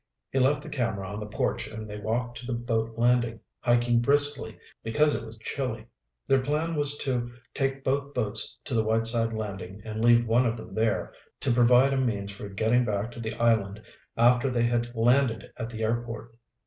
He left the camera on the porch and they walked to the boat landing, hiking briskly because it was chilly. Their plan was to take both boats to the Whiteside landing and leave one of them there, to provide a means for getting back to the island after they had landed at the airport.